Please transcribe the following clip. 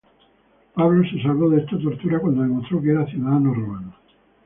Pablo se salvó de esta tortura cuando demostró que era ciudadano romano.